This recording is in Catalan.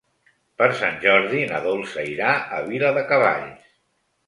Per Sant Jordi na Dolça irà a Viladecavalls.